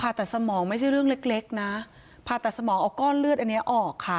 แต่สมองไม่ใช่เรื่องเล็กนะผ่าตัดสมองเอาก้อนเลือดอันนี้ออกค่ะ